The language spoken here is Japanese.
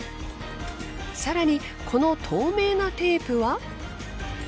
更にこの透明なテープは？